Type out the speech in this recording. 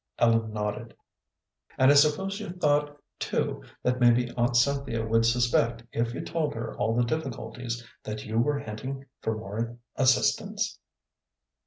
Ellen nodded. "And I suppose you thought, too, that maybe Aunt Cynthia would suspect, if you told her all the difficulties, that you were hinting for more assistance."